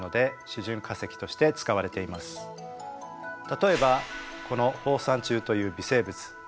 例えばこの放散虫という微生物。